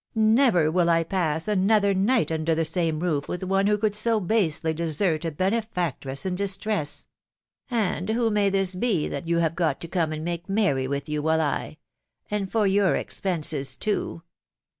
. Never will I pass another night under the same roof with one who could so basely desert a benefactress in distress !•... And who may this be that you have got to come and make merry with you, while I ..•. and for your expenses too